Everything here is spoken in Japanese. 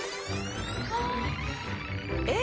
えっ？